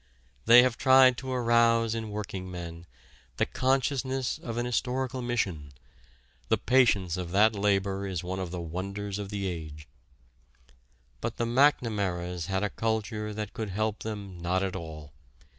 They have tried to arouse in workingmen the consciousness of an historical mission the patience of that labor is one of the wonders of the age. But the McNamaras had a culture that could help them not at all.